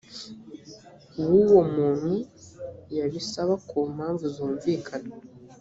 w uwo muntu yabisaba ku mpamvu zumvikana